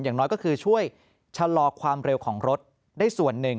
อย่างน้อยก็คือช่วยชะลอความเร็วของรถได้ส่วนหนึ่ง